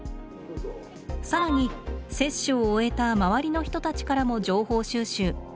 更に接種を終えた周りの人たちからも情報収集。